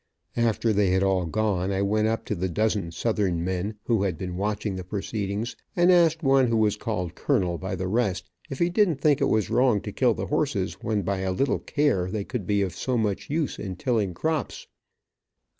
After they had all gone I went up to the dozen southern men who had been watching the proceedings, and asked one who was called colonel by the rest, if he didn't think it was wrong to kill the horses when by a little care they could be of much use in tilling crops.